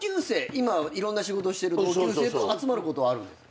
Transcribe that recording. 今いろんな仕事してる同級生と集まることはあるんですか？